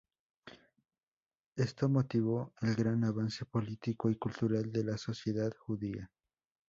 Esto motivó el gran avance político y cultural de la sociedad judía.